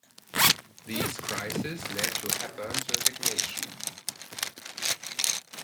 These crises led to Hepburn's resignation.